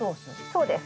そうです。